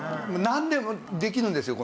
なんでもできるんですよ